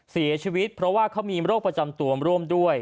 เสียชีวิตเพราะว่าเขามีโรคประจำตัวร่วมด้วย